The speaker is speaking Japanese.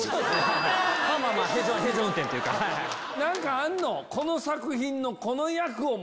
何かあるの？